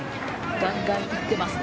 ガンガンいってますね。